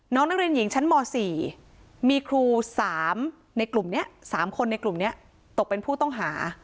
นักเรียนหญิงชั้นม๔มีครู๓ในกลุ่มนี้๓คนในกลุ่มนี้ตกเป็นผู้ต้องหา